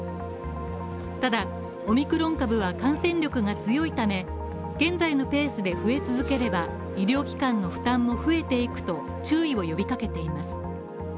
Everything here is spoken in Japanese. ただ、オミクロン株は感染力が強いため、現在のペースで増え続ければ、医療機関の負担も増えていくと注意を呼びかけています。